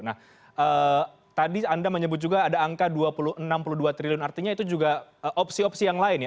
nah tadi anda menyebut juga ada angka enam puluh dua triliun artinya itu juga opsi opsi yang lain ya